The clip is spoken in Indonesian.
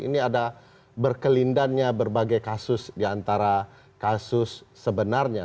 ini ada berkelindannya berbagai kasus diantara kasus sebenarnya